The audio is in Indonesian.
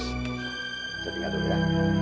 saya tinggal dulu ya